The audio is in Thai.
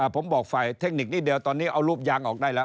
ผมบอกฝ่ายเทคนิคนิดเดียวตอนนี้เอารูปยางออกได้แล้ว